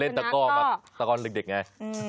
เล่นตะก้อมากตะก้อนเด็กไง